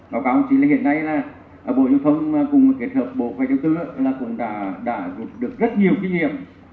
báo cáo chính là hiện nay là bộ giao thông cùng kết hợp bộ giao thông vận tải cũng đã được rất nhiều kinh nghiệm